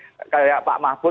seperti pak mahbud